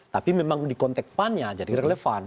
tapi memang dikontekpannya jadi relevan